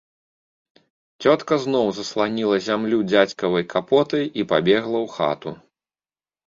Цётка зноў засланіла зямлю дзядзькавай капотай і пабегла ў хату.